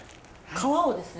皮をですね？